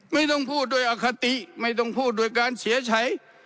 ไม่ต้องพูดด้วยอคติไม่ต้องพูดโดยการเสียใช้